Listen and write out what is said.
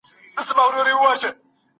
انسان په مځکه کي د الهي نظام استازی دی.